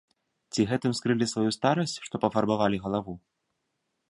Ці гэтым скрылі сваю старасць, што пафарбавалі галаву?